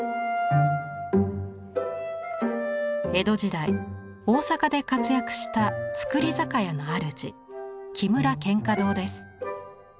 江戸時代大坂で活躍した造り酒屋のあるじ木村蒹葭堂です。